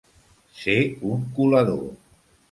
Ser un colador.